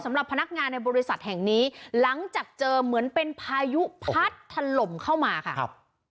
สำหรับพนักงานในบริษัทแห่งนี้หลังจากเจอเหมือนเป็นพายุพัดถล่มเข้ามาค่ะครับ